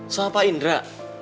sama pak indra